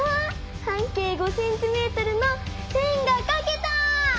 半径５ｃｍの円がかけた！